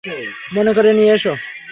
মনে করে নিয়ে এসো।